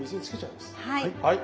はい。